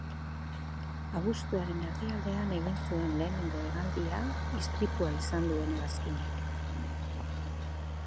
Abuztuaren erdialdean egin zuen lehenengo hegaldia istripua izan duen hegazkinak.